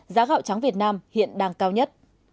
giá gạo trắng việt nam hiện đang cao nhất